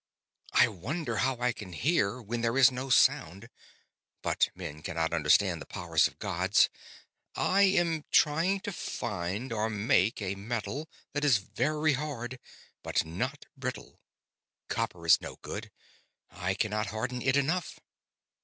"I wonder how I can hear when there is no sound, but men cannot understand the powers of gods. I am trying to find or make a metal that is very hard, but not brittle. Copper is no good, I cannot harden it enough.